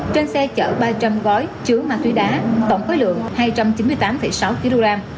trên xe chở ba trăm linh gói chứa ma túy đá tổng khối lượng hai trăm chín mươi tám sáu kg